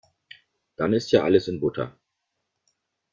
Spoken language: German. Dann ist ja alles in Butter.